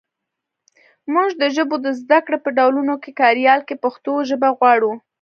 مونږ د ژبو د زده کړې په ډولونګو کاریال کې پښتو ژبه غواړو